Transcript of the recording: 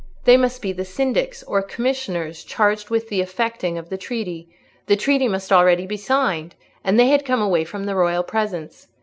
They must be the syndics, or commissioners charged with the effecting of the treaty; the treaty must be already signed, and they had come away from the royal presence.